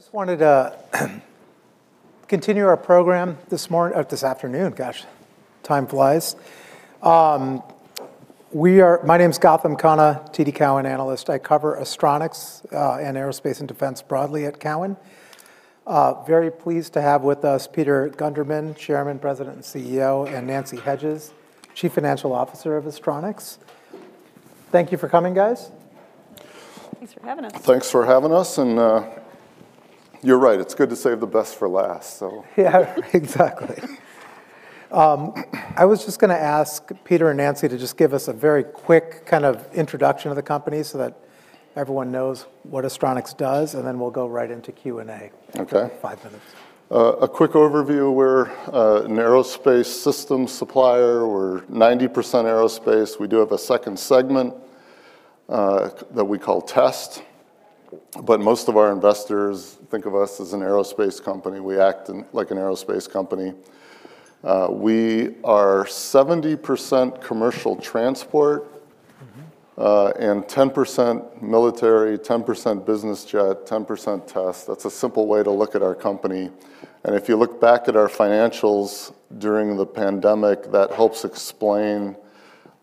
I just wanted to continue our program this morning, or this afternoon. Gosh! Time flies. My name is Gautam Khanna, TD Cowen analyst. I cover Astronics, and Aerospace and Defense broadly at Cowen. Very pleased to have with us Peter Gundermann, Chairman, President, and CEO, and Nancy Hedges, Chief Financial Officer of Astronics. Thank you for coming, guys. Thanks for having us. Thanks for having us, and, you're right, it's good to save the best for last, so. Yeah, exactly. I was just gonna ask Peter and Nancy to just give us a very quick kind of introduction of the company so that everyone knows what Astronics does, and then we'll go right into Q&A. Okay. Five minutes. A quick overview. We're an aerospace system supplier. We're 90% aerospace. We do have a second segment that we call Test, but most of our investors think of us as an aerospace company. We act like an aerospace company. We are 70% commercial transport- Mm-hmm... and 10% military, 10% business jet, 10% test. That's a simple way to look at our company, and if you look back at our financials during the pandemic, that helps explain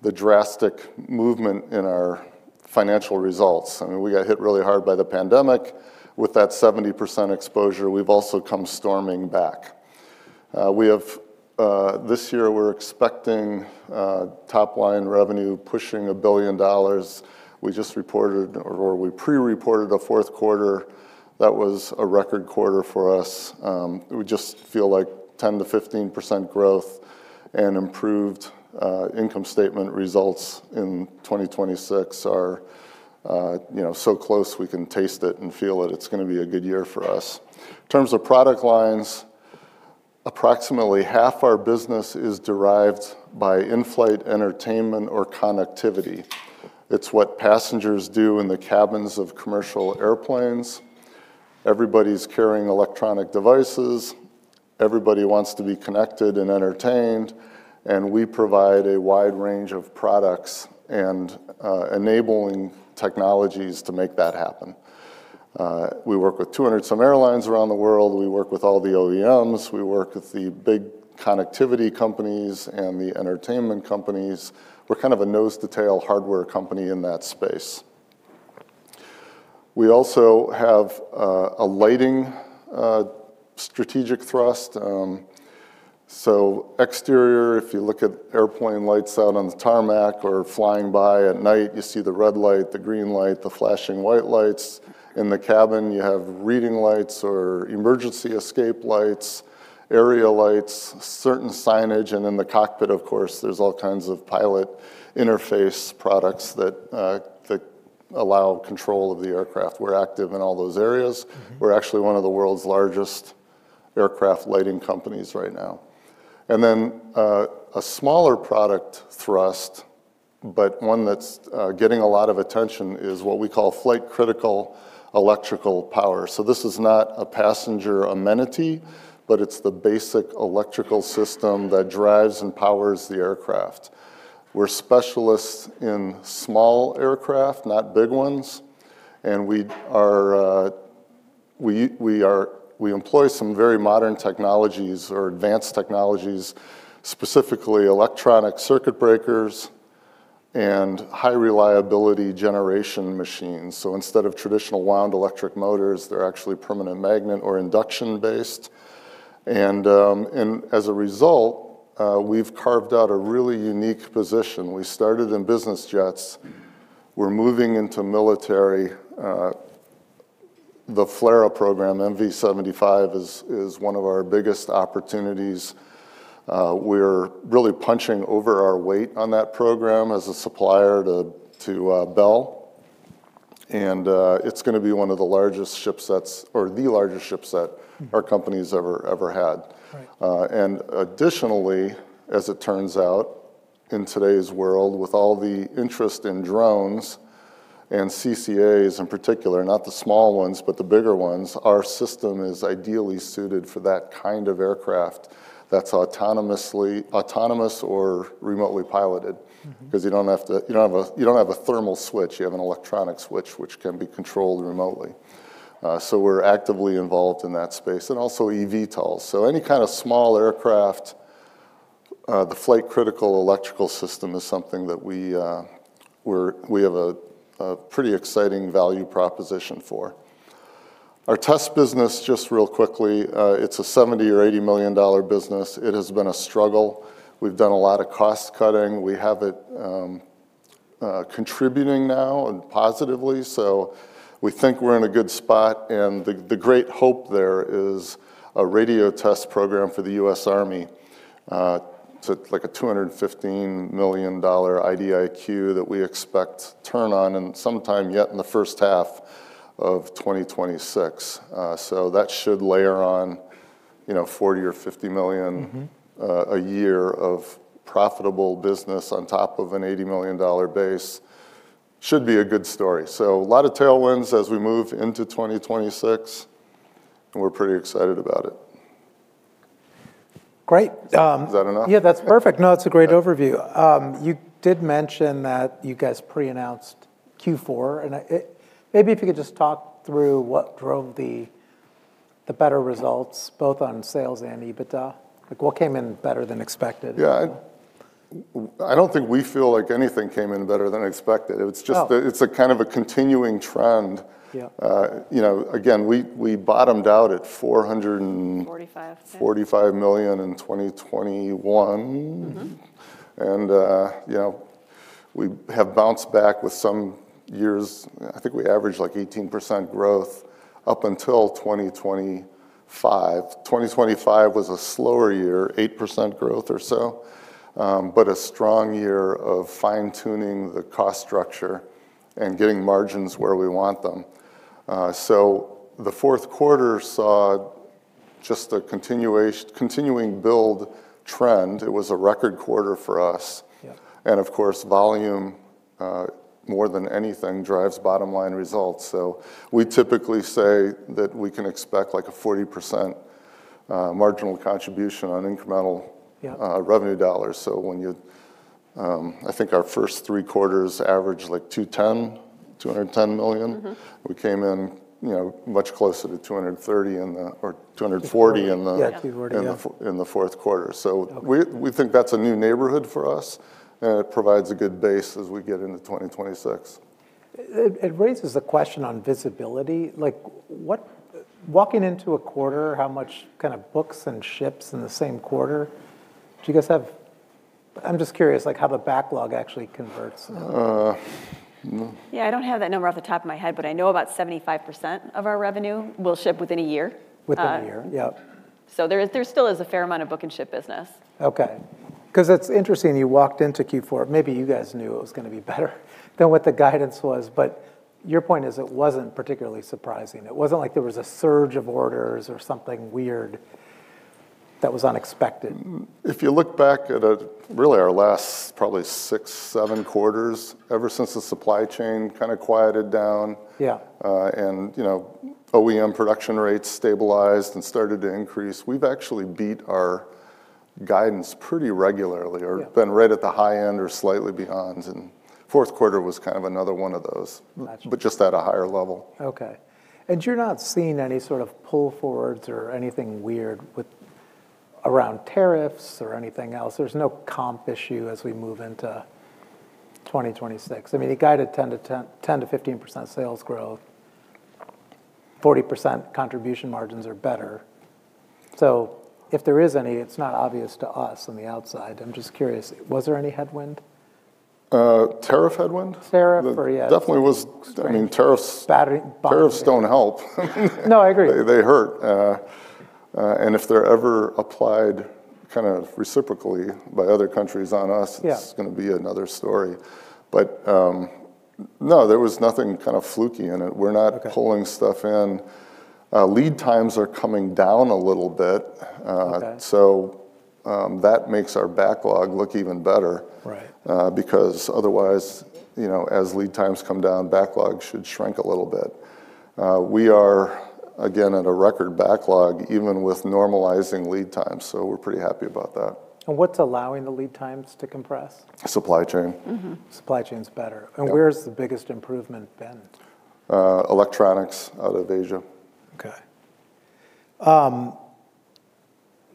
the drastic movement in our financial results. I mean, we got hit really hard by the pandemic. With that 70% exposure, we've also come storming back. We have... This year, we're expecting top-line revenue pushing $1 billion. We just reported, or we pre-reported a Q4. That was a record quarter for us. We just feel like 10%-15% growth and improved income statement results in 2026 are, you know, so close, we can taste it and feel it. It's gonna be a good year for us. In terms of product lines, approximately half our business is derived by in-flight entertainment or connectivity. It's what passengers do in the cabins of commercial airplanes. Everybody's carrying electronic devices, everybody wants to be connected and entertained, and we provide a wide range of products and enabling technologies to make that happen. We work with 200 some airlines around the world. We work with all the OEMs, we work with the big connectivity companies and the entertainment companies. We're kind of a nose-to-tail hardware company in that space. We also have a lighting strategic thrust. So exterior, if you look at airplane lights out on the tarmac or flying by at night, you see the red light, the green light, the flashing white lights. In the cabin, you have reading lights or emergency escape lights, area lights, certain signage, and in the cockpit, of course, there's all kinds of pilot interface products that allow control of the aircraft. We're active in all those areas. Mm-hmm. We're actually one of the world's largest aircraft lighting companies right now. And then, a smaller product thrust, but one that's getting a lot of attention, is what we call flight critical electrical power. So this is not a passenger amenity, but it's the basic electrical system that drives and powers the aircraft. We're specialists in small aircraft, not big ones, and we employ some very modern technologies or advanced technologies, specifically electronic circuit breakers and high reliability generation machines. So instead of traditional wound electric motors, they're actually permanent magnet or induction-based. And as a result, we've carved out a really unique position. We started in business jets, we're moving into military, the FLRAA program. MV-75 is one of our biggest opportunities. We're really punching over our weight on that program as a supplier to Bell. And, it's gonna be one of the largest ship sets or the largest ship set our company's ever had. Right. Additionally, as it turns out, in today's world, with all the interest in drones and CCAs in particular, not the small ones, but the bigger ones, our system is ideally suited for that kind of aircraft that's autonomous or remotely piloted. Mm-hmm. Because you don't have to—you don't have a thermal switch. You have an electronic switch, which can be controlled remotely. So we're actively involved in that space and also EVTOLs. So any kind of small aircraft, the flight critical electrical system is something that we, we're—we have a pretty exciting value proposition for. Our Test business, just real quickly, it's a $70 million-$80 million business. It has been a struggle. We've done a lot of cost cutting. We have it, contributing now and positively, so we think we're in a good spot, and the great hope there is a radio test program for the U.S. Army. So like a $215 million IDIQ that we expect to turn on in sometime yet in the first half of 2026. So that should layer on, you know, $40 million or $50 million- Mm-hmm... a year of profitable business on top of an $80 million base. Should be a good story. So a lot of tailwinds as we move into 2026, and we're pretty excited about it. ... Great! Is that enough? Yeah, that's perfect. No, it's a great overview. You did mention that you guys pre-announced Q4, and maybe if you could just talk through what drove the, the better results, both on sales and EBITDA. Like, what came in better than expected? Yeah, I don't think we feel like anything came in better than expected. Oh. It's just that it's a kind of a continuing trend. Yeah. you know, again, we bottomed out at $400 and- Forty-five. $45 million in 2021. Mm-hmm. You know, we have bounced back with some years... I think we averaged, like, 18% growth up until 2025. 2025 was a slower year, 8% growth or so, but a strong year of fine-tuning the cost structure and getting margins where we want them. So the Q4 saw just a continuation, continuing build trend. It was a record quarter for us. Yeah. Of course, volume, more than anything, drives bottom-line results, so we typically say that we can expect, like, a 40% marginal contribution on incremental- Yeah... revenue dollars. So when you, I think our first three quarters averaged, like, 210, $210 million. Mm-hmm. We came in, you know, much closer to 230 in the, or 240 in the- Yeah, 240, yeah. In the Q4. Okay. So we think that's a new neighborhood for us, and it provides a good base as we get into 2026. It raises the question on visibility. Like, what... Walking into a quarter, how much kind of book and ship in the same quarter? Do you guys have. I'm just curious, like, how the backlog actually converts. Uh, mm. Yeah, I don't have that number off the top of my head, but I know about 75% of our revenue will ship within a year. Within a year? Uh- Yep. There is, there still is a fair amount of Book-and-Ship business. Okay. 'Cause it's interesting, you walked into Q4. Maybe you guys knew it was gonna be better than what the guidance was, but your point is, it wasn't particularly surprising. It wasn't like there was a surge of orders or something weird that was unexpected. If you look back at, really our last probably six, seven quarters, ever since the supply chain kind of quieted down- Yeah... and, you know, OEM production rates stabilized and started to increase, we've actually beat our guidance pretty regularly- Yeah... or been right at the high end or slightly beyond, and Q4 was kind of another one of those- Gotcha... but just at a higher level. Okay. And you're not seeing any sort of pull forwards or anything weird with, around tariffs or anything else? There's no comp issue as we move into 2026. I mean, you guided 10-10, 10%-15% sales growth, 40% contribution margins or better. So if there is any, it's not obvious to us on the outside. I'm just curious, was there any headwind? Tariff headwind? Tariff or yeah. There definitely was, I mean, tariffs- Battery- Tariffs don't help. No, I agree. They hurt. And if they're ever applied kind of reciprocally by other countries on us- Yeah... it's gonna be another story. But, no, there was nothing kind of fluky in it. Okay. We're not pulling stuff in. Lead times are coming down a little bit. Okay... so, that makes our backlog look even better- Right... because otherwise, you know, as lead times come down, backlog should shrink a little bit. We are, again, at a record backlog, even with normalizing lead time, so we're pretty happy about that. What's allowing the lead times to compress? Supply chain. Mm-hmm. Supply chain's better. Yep. Where's the biggest improvement been? Electronics out of Asia. Okay.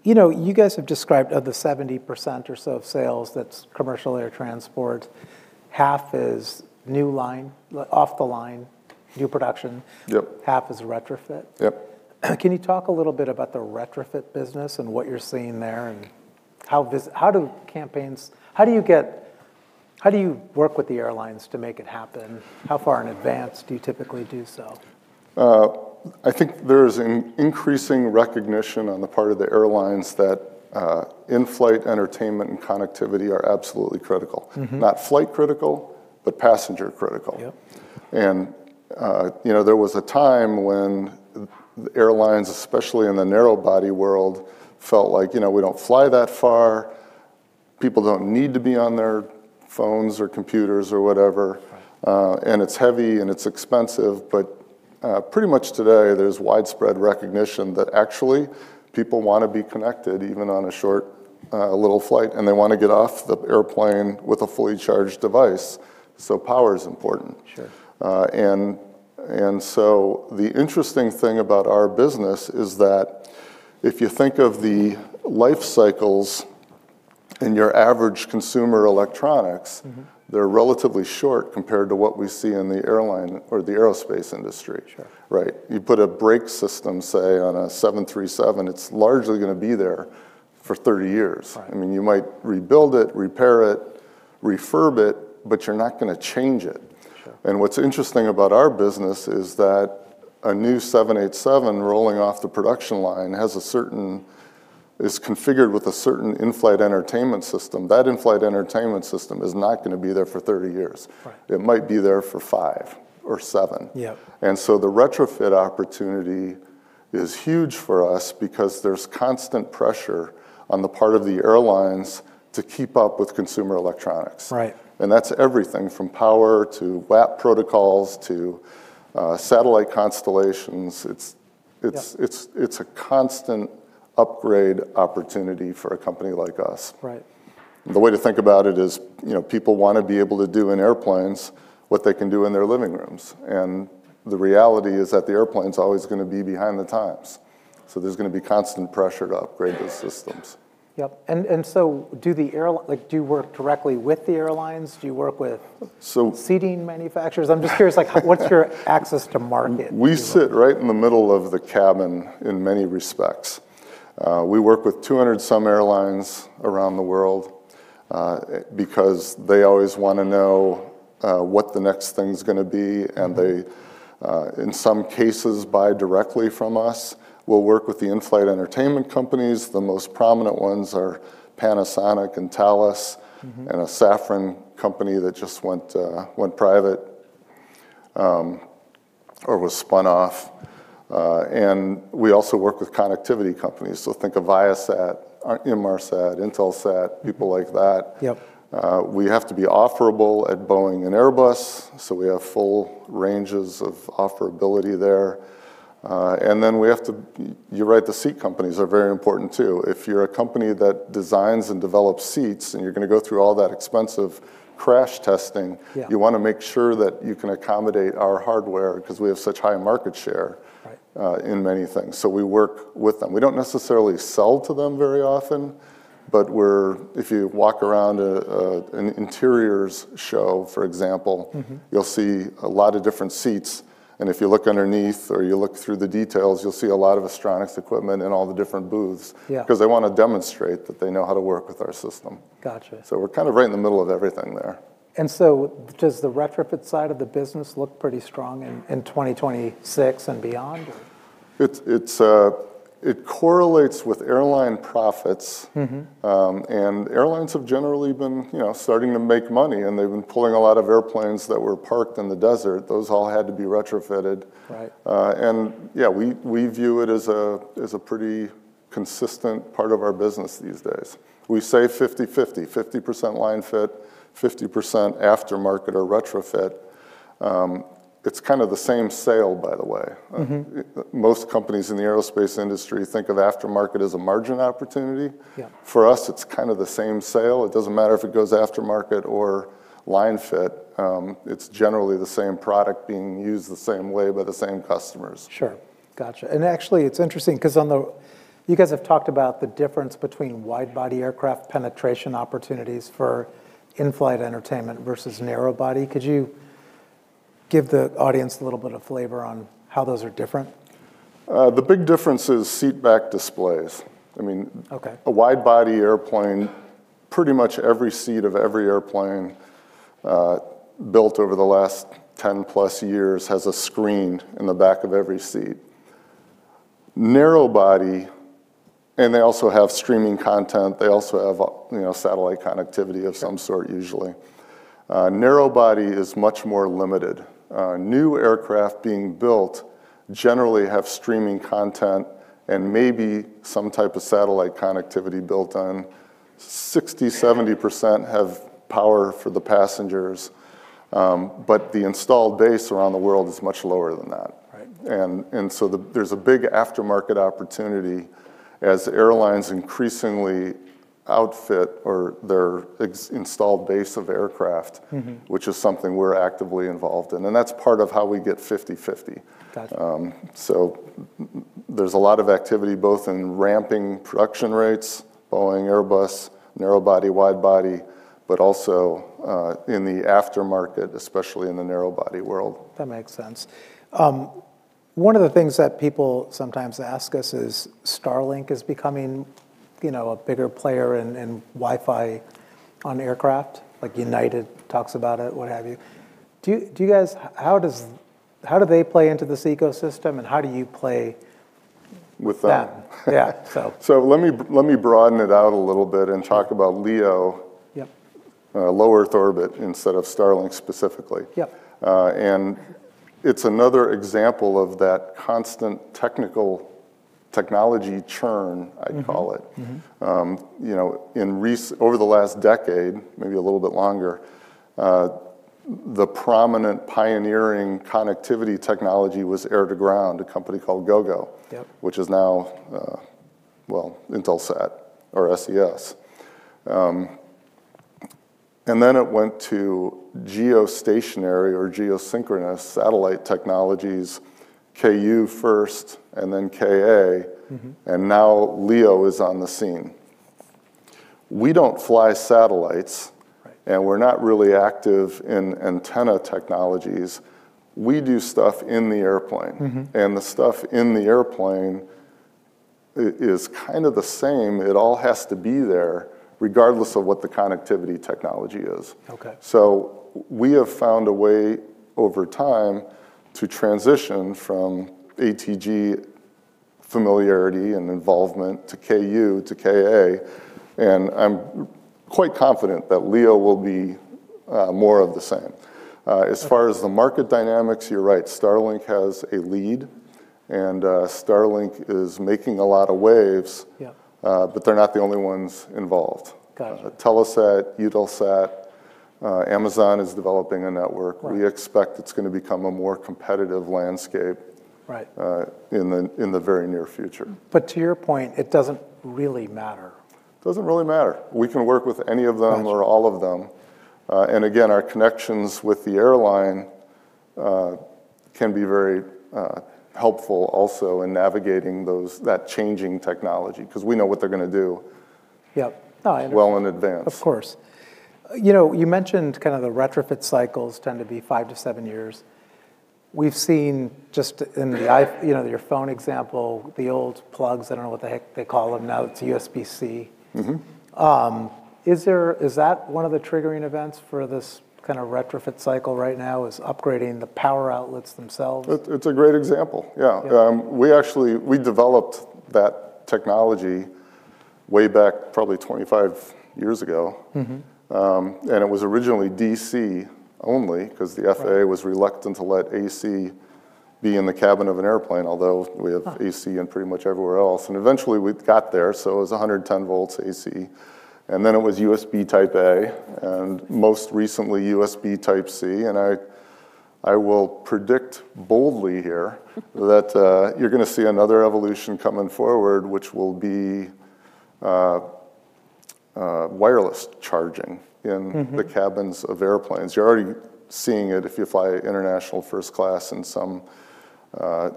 You know, you guys have described of the 70% or so of sales that's commercial air transport, half is new line, off the line, new production. Yep. Half is retrofit. Yep. Can you talk a little bit about the retrofit business and what you're seeing there, and how do you work with the airlines to make it happen? How far in advance do you typically do so? I think there's an increasing recognition on the part of the airlines that in-flight entertainment and connectivity are absolutely critical. Mm-hmm. Not flight critical, but passenger critical. Yep. You know, there was a time when airlines, especially in the narrow-body world, felt like, "You know, we don't fly that far. People don't need to be on their phones or computers or whatever- Right... and it's heavy, and it's expensive," but pretty much today, there's widespread recognition that actually, people wanna be connected, even on a short little flight, and they wanna get off the airplane with a fully charged device, so power is important. Sure. And so the interesting thing about our business is that if you think of the life cycles in your average consumer electronics- Mm-hmm... they're relatively short compared to what we see in the airline or the aerospace industry. Sure. Right? You put a brake system, say, on a 737, it's largely gonna be there for 30 years. Right. I mean, you might rebuild it, repair it, refurb it, but you're not gonna change it. Sure. What's interesting about our business is that a new 787 rolling off the production line is configured with a certain in-flight entertainment system. That in-flight entertainment system is not gonna be there for 30 years. Right. It might be there for 5 or 7. Yep. So the retrofit opportunity is huge for us because there's constant pressure on the part of the airlines to keep up with consumer electronics. Right. That's everything from power to WAP protocols to satellite constellations. It's- Yeah... it's a constant upgrade opportunity for a company like us. Right. The way to think about it is, you know, people wanna be able to do in airplanes what they can do in their living rooms, and the reality is that the airplane's always gonna be behind the times, so there's gonna be constant pressure to upgrade those systems. Yep, and so do the airlines? Like, do you work directly with the airlines? Do you work with- So-... seating manufacturers? I'm just curious, like, what's your access to market? We sit right in the middle of the cabin in many respects. We work with 200-some airlines around the world, because they always wanna know, what the next thing's gonna be, and they, in some cases, buy directly from us. We'll work with the in-flight entertainment companies. The most prominent ones are Panasonic and Thales. Mm-hmm... and a Safran company that just went private, or was spun off. And we also work with connectivity companies, so think of Viasat, Inmarsat, Intelsat, people like that. Yep. We have to be offerable at Boeing and Airbus, so we have full ranges of offerability there. And then we have to... you're right, the seat companies are very important, too. If you're a company that designs and develops seats, and you're gonna go through all that expensive crash testing- Yeah... you wanna make sure that you can accommodate our hardware because we have such high market share- Right... in many things, so we work with them. We don't necessarily sell to them very often, but if you walk around an interiors show, for example. Mm-hmm... you'll see a lot of different seats, and if you look underneath or you look through the details, you'll see a lot of Astronics equipment in all the different booths. Yeah... 'cause they wanna demonstrate that they know how to work with our system. Gotcha. We're kind of right in the middle of everything there. Does the retrofit side of the business look pretty strong in 2026 and beyond? It correlates with airline profits. Mm-hmm. Airlines have generally been, you know, starting to make money, and they've been pulling a lot of airplanes that were parked in the desert. Those all had to be retrofitted. Right. and yeah, we, we view it as a pretty consistent part of our business these days. We say 50/50, 50% line fit, 50% aftermarket or retrofit. It's kind of the same sale, by the way. Mm-hmm. Most companies in the aerospace industry think of aftermarket as a margin opportunity. Yeah. For us, it's kind of the same sale. It doesn't matter if it goes aftermarket or line fit, it's generally the same product being used the same way by the same customers. Sure, gotcha. And actually, it's interesting 'cause on the... You guys have talked about the difference between wide-body aircraft penetration opportunities for in-flight entertainment versus narrow-body. Could you give the audience a little bit of flavor on how those are different? The big difference is seat back displays. I mean- Okay... a wide-body airplane, pretty much every seat of every airplane, built over the last 10-plus years has a screen in the back of every seat. Narrow-body, and they also have streaming content, they also have, you know, satellite connectivity of some sort, usually. Narrow-body is much more limited. New aircraft being built generally have streaming content and maybe some type of satellite connectivity built on. 60%-70% have power for the passengers, but the installed base around the world is much lower than that. Right. So there's a big aftermarket opportunity as airlines increasingly outfit or their existing installed base of aircraft. Mm-hmm... which is something we're actively involved in, and that's part of how we get 50/50. Gotcha. There's a lot of activity, both in ramping production rates, Boeing, Airbus, narrow-body, wide-body, but also in the aftermarket, especially in the narrow-body world. That makes sense. One of the things that people sometimes ask us is, Starlink is becoming, you know, a bigger player in Wi-Fi on aircraft. Like, United talks about it, what have you. Do you guys... How do they play into this ecosystem, and how do you play- With that? -yeah. So. So let me broaden it out a little bit and talk about LEO- Yep... Low Earth Orbit instead of Starlink specifically. Yep. It's another example of that constant technical technology churn I call it. Mm-hmm. Mm-hmm. You know, over the last decade, maybe a little bit longer, the prominent pioneering connectivity technology was air-to-ground, a company called Gogo- Yep... which is now, well, Intelsat or SES. And then it went to geostationary or geosynchronous satellite technologies, KU first and then KA- Mm-hmm... and now LEO is on the scene. We don't fly satellites- Right.... and we're not really active in antenna technologies. We do stuff in the airplane- Mm-hmm... and the stuff in the airplane is kind of the same, it all has to be there, regardless of what the connectivity technology is. Okay. So we have found a way, over time, to transition from ATG familiarity and involvement to KU to KA, and I'm quite confident that LEO will be more of the same. As far as the market dynamics, you're right, Starlink has a lead... and Starlink is making a lot of waves- Yeah. but they're not the only ones involved. Gotcha. Telesat, Eutelsat, Amazon is developing a network. Right. We expect it's gonna become a more competitive landscape. Right... in the, in the very near future. But to your point, it doesn't really matter. It doesn't really matter. We can work with any of them- Gotcha... or all of them. And again, our connections with the airline can be very helpful also in navigating those, that changing technology, 'cause we know what they're gonna do- Yep. No, Well in advance. Of course. You know, you mentioned kind of the retrofit cycles tend to be 5-7 years. We've seen just in the, you know, your phone example, the old plugs, I don't know what the heck they call them now, it's USB-C. Mm-hmm. Is that one of the triggering events for this kind of retrofit cycle right now, is upgrading the power outlets themselves? It's a great example, yeah. Yeah. We actually, we developed that technology way back probably 25 years ago. Mm-hmm. It was originally DC only, 'cause the FAA- Right... was reluctant to let AC be in the cabin of an airplane, although we have- Ah... AC in pretty much everywhere else. And eventually, we got there, so it was 110 volts AC. And then it was USB Type-A, and most recently, USB Type-C. And I will predict boldly here... that you're gonna see another evolution coming forward, which will be wireless charging in- Mm-hmm... the cabins of airplanes. You're already seeing it if you fly international first class in some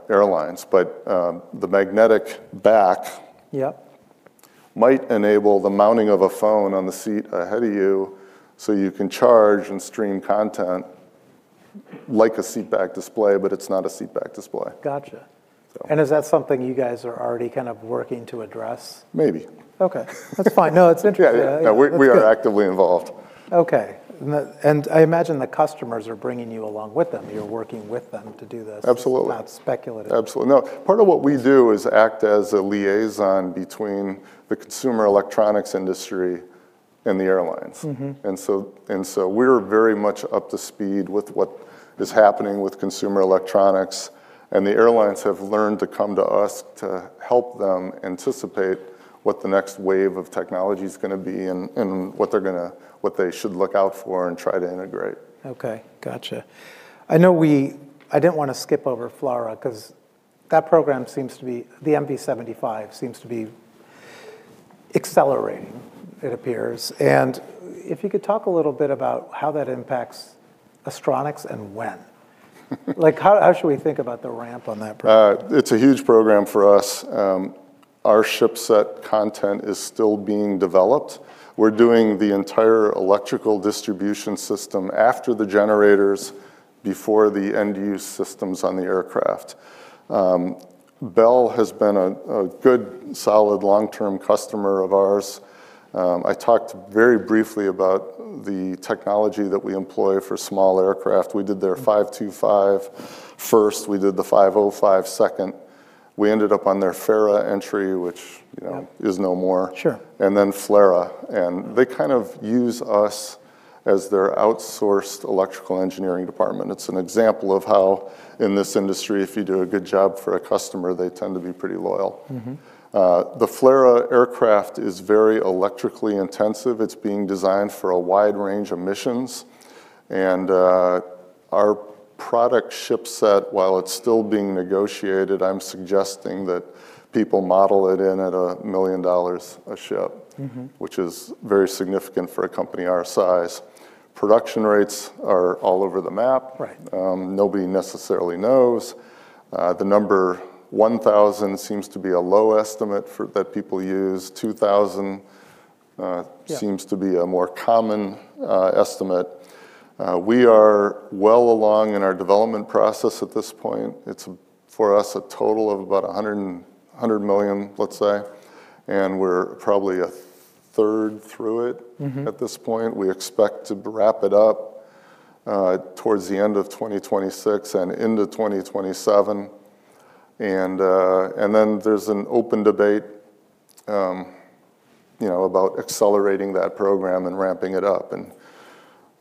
airlines. But, the magnetic back- Yep... might enable the mounting of a phone on the seat ahead of you, so you can charge and stream content, like a seat back display, but it's not a seat back display. Gotcha. So. Is that something you guys are already kind of working to address? Maybe. Okay. That's fine. No, it's interesting. Yeah, yeah. That's good. We are actively involved. Okay. Now, I imagine the customers are bringing you along with them. You're working with them to do this- Absolutely... speculative. Absolutely. No, part of what we do is act as a liaison between the consumer electronics industry and the airlines. Mm-hmm. So, we're very much up to speed with what is happening with consumer electronics. And the airlines have learned to come to us to help them anticipate what the next wave of technology is gonna be, and what they should look out for and try to integrate. Okay, gotcha. I know we... I didn't wanna skip over FLRAA, 'cause that program seems to be, the MV-75 seems to be accelerating, it appears. And if you could talk a little bit about how that impacts Astronics and when? Like, how, how should we think about the ramp on that program? It's a huge program for us. Our ship set content is still being developed. We're doing the entire electrical distribution system after the generators, before the end use systems on the aircraft. Bell has been a good, solid, long-term customer of ours. I talked very briefly about the technology that we employ for small aircraft. Mm. We did their 525 first, we did the 505 second. We ended up on their FARA entry, which, you know- Yeah... is no more. Sure. Then FLRAA. They kind of use us as their outsourced electrical engineering department. It's an example of how, in this industry, if you do a good job for a customer, they tend to be pretty loyal. Mm-hmm. The FLRAA aircraft is very electrically intensive. It's being designed for a wide range of missions. Our product ship set, while it's still being negotiated, I'm suggesting that people model it in at $1 million a ship- Mm-hmm... which is very significant for a company our size. Production rates are all over the map. Right. Nobody necessarily knows. The number 1,000 seems to be a low estimate for that people use. 2,000. Yeah... seems to be a more common estimate. We are well along in our development process at this point. It's, for us, a total of about $100 million, let's say, and we're probably a third through it- Mm-hmm... at this point. We expect to wrap it up, towards the end of 2026 and into 2027. And, and then there's an open debate, you know, about accelerating that program and ramping it up.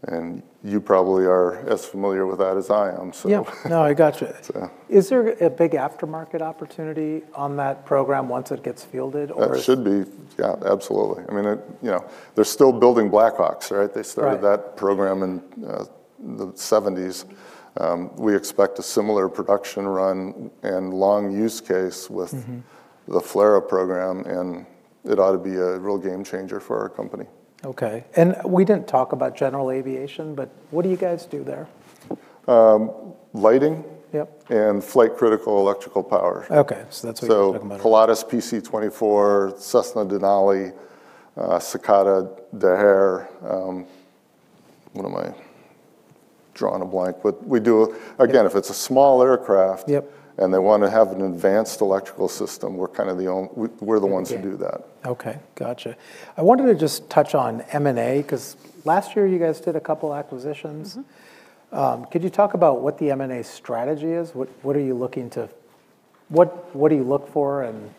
And, and you probably are as familiar with that as I am, so. Yeah. No, I gotcha. So. Is there a big aftermarket opportunity on that program once it gets fielded or? There should be. Yeah, absolutely. I mean, it, you know, they're still building Black Hawks, right? Right. They started that program in the 1970s. We expect a similar production run and long use case with- Mm-hmm... the FLRAA program, and it ought to be a real game changer for our company. Okay. We didn't talk about general aviation, but what do you guys do there? Um, lighting- Yep... and flight critical electrical power. Okay, so that's what you're talking about. So Pilatus PC-24, Cessna Denali, Cicada, Daher, what am I... drawing a blank. But we do- Yeah... again, if it's a small aircraft- Yep... and they wanna have an advanced electrical system, we're kind of the only—we're the ones who do that. Okay, gotcha. I wanted to just touch on M&A, 'cause last year you guys did a couple acquisitions. Mm-hmm. Could you talk about what the M&A strategy is? What are you looking to—what do you look for and—...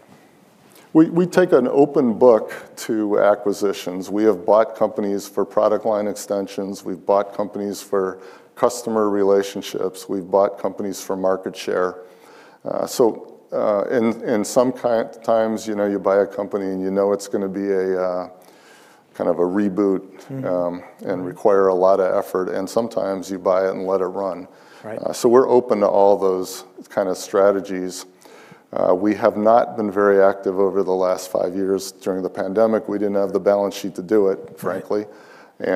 We take an open book to acquisitions. We have bought companies for product line extensions, we've bought companies for customer relationships, we've bought companies for market share. So, in some times, you know, you buy a company, and you know it's gonna be a kind of a reboot- Mm. and require a lot of effort, and sometimes you buy it and let it run. Right. We're open to all those kind of strategies. We have not been very active over the last five years. During the pandemic, we didn't have the balance sheet to do it, frankly. Right.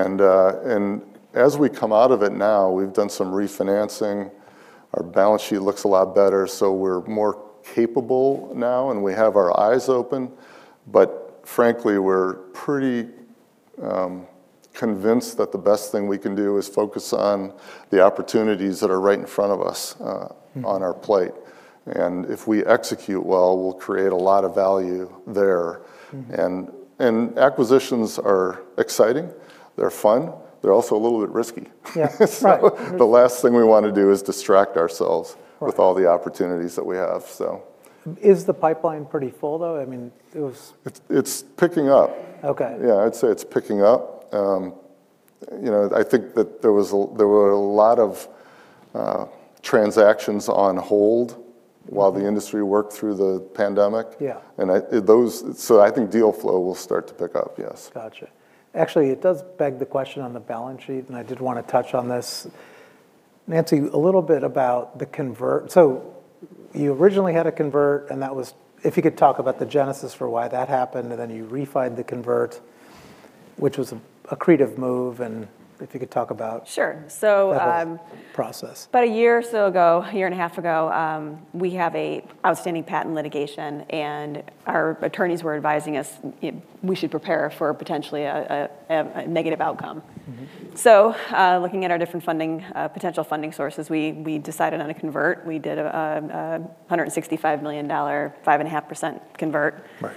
And as we come out of it now, we've done some refinancing. Our balance sheet looks a lot better, so we're more capable now, and we have our eyes open. But frankly, we're pretty convinced that the best thing we can do is focus on the opportunities that are right in front of us. Mm... on our plate. If we execute well, we'll create a lot of value there. Mm. Acquisitions are exciting, they're fun, they're also a little bit risky. Yeah. Right. The last thing we wanna do is distract ourselves- Right... with all the opportunities that we have, so. Is the pipeline pretty full, though? I mean, it was- It's picking up. Okay. Yeah, I'd say it's picking up. You know, I think that there were a lot of transactions on hold- Mm... while the industry worked through the pandemic. Yeah. So I think deal flow will start to pick up, yes. Gotcha. Actually, it does beg the question on the balance sheet, and I did wanna touch on this. Nancy, a little bit about the convert. So you originally had a convert, and that was—if you could talk about the genesis for why that happened, and then you refi'd the convert, which was a, accretive move, and if you could talk about- Sure. So, That whole process. About a year or so ago, a year and a half ago, we have an outstanding patent litigation, and our attorneys were advising us, we should prepare for potentially a negative outcome. Mm-hmm. So, looking at our different funding potential funding sources, we decided on a convert. We did a $165 million, 5.5% convert. Right.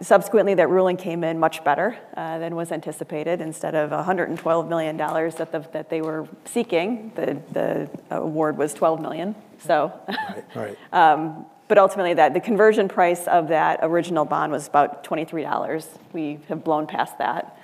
Subsequently, that ruling came in much better than was anticipated. Instead of $112 million that they were seeking, the award was $12 million, so Right, right. But ultimately, the conversion price of that original bond was about $23. We have blown past that.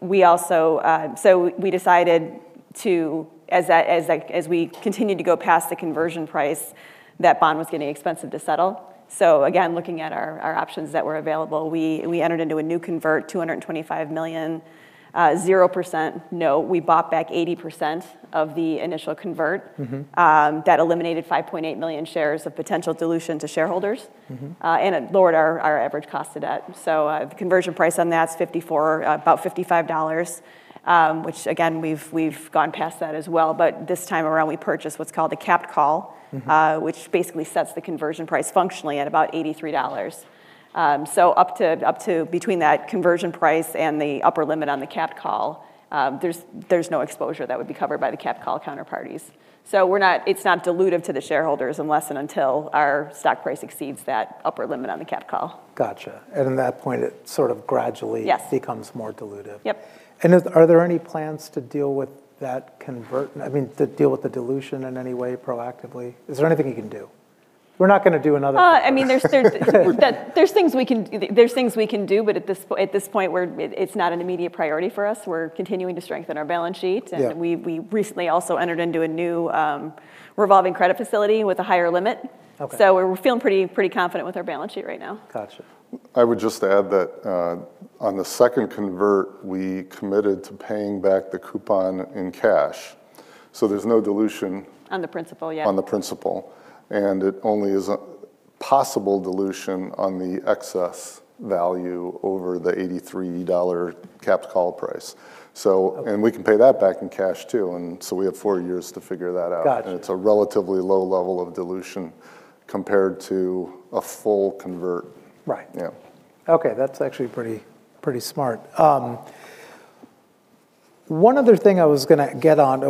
We also... So we decided to, as we continued to go past the conversion price, that bond was getting expensive to settle. So again, looking at our options that were available, we entered into a new convert $225 million 0% note. We bought back 80% of the initial convert. Mm-hmm. That eliminated 5.8 million shares of potential dilution to shareholders. Mm-hmm. and it lowered our average cost of debt. So, the conversion price on that's 54, about $55, which again, we've gone past that as well. But this time around, we purchased what's called a capped call- Mm-hmm... which basically sets the conversion price functionally at about $83. So up to, up to between that conversion price and the upper limit on the capped call, there's no exposure that would be covered by the capped call counterparties. So we're not- it's not dilutive to the shareholders unless and until our stock price exceeds that upper limit on the capped call. Gotcha. And at that point, it sort of gradually- Yes... becomes more dilutive. Yep. Are there any plans to deal with that convert, I mean, to deal with the dilution in any way proactively? Is there anything you can do? We're not gonna do another one. I mean, there's things we can do, but at this point, it's not an immediate priority for us. We're continuing to strengthen our balance sheet. Yeah. We recently also entered into a new revolving credit facility with a higher limit. Okay. We're feeling pretty, pretty confident with our balance sheet right now. Gotcha. I would just add that, on the second convert, we committed to paying back the coupon in cash, so there's no dilution- On the principal, yeah.... on the principal. And it only is a possible dilution on the excess value over the $83 Capped Call price. So- Okay... and we can pay that back in cash, too, and so we have four years to figure that out. Gotcha. It's a relatively low level of dilution compared to a full convert. Right. Yeah. Okay, that's actually pretty, pretty smart. One other thing I was gonna get on,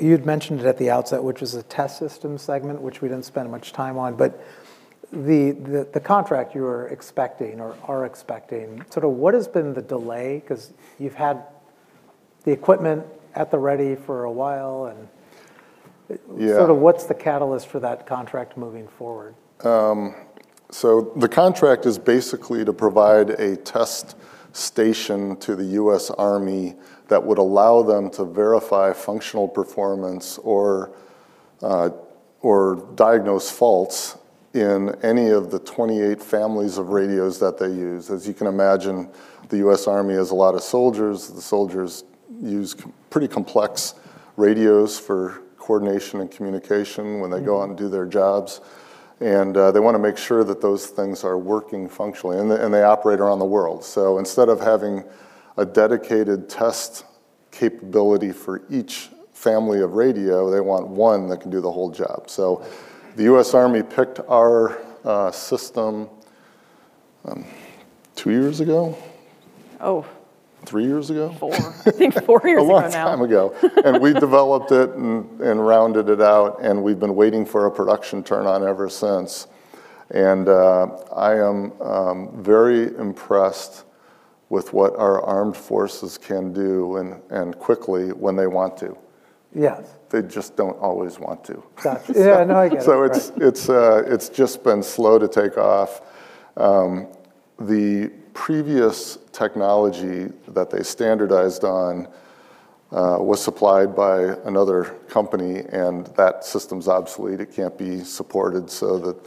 you'd mentioned it at the outset, which was the test system segment, which we didn't spend much time on, but the contract you were expecting or are expecting, sort of what has been the delay? 'Cause you've had the equipment at the ready for a while, and- Yeah... sort of what's the catalyst for that contract moving forward? So the contract is basically to provide a test station to the U.S. Army that would allow them to verify functional performance or diagnose faults in any of the 28 families of radios that they use. As you can imagine, the U.S. Army has a lot of soldiers. The soldiers use pretty complex radios for coordination and communication when they go out and do their jobs. And they wanna make sure that those things are working functionally. And they operate around the world. So instead of having a dedicated test capability for each family of radio, they want one that can do the whole job. So the U.S. Army picked our system two years ago? Oh! Three years ago? 4. I think 4 years ago now. A long time ago. And we developed it and rounded it out, and we've been waiting for a production turn-on ever since. And I am very impressed with what our armed forces can do, and quickly when they want to. Yes. They just don't always want to. Got it. Yeah, no, I get it. So it's just been slow to take off. The previous technology that they standardized on was supplied by another company, and that system's obsolete. It can't be supported, so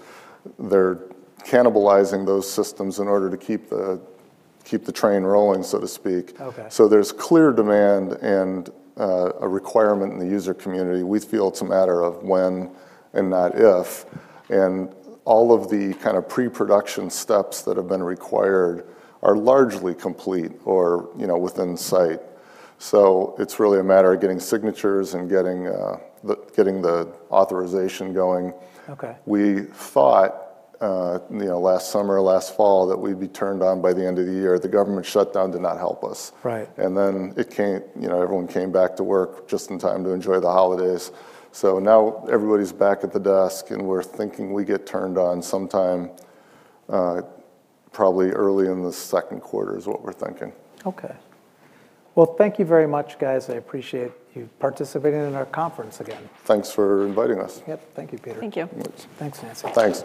they're cannibalizing those systems in order to keep the train rolling, so to speak. Okay. So there's clear demand and a requirement in the user community. We feel it's a matter of when and not if. And all of the kind of pre-production steps that have been required are largely complete or, you know, within sight. So it's really a matter of getting signatures and getting the authorization going. Okay. We thought, you know, last summer or last fall, that we'd be turned on by the end of the year. The government shutdown did not help us. Right. And then it came... You know, everyone came back to work just in time to enjoy the holidays. So now everybody's back at the desk, and we're thinking we get turned on sometime, probably early in the Q2 is what we're thinking. Okay. Well, thank you very much, guys. I appreciate you participating in our conference again. Thanks for inviting us. Yep. Thank you, Peter. Thank you. Yes. Thanks, Nancy. Thanks.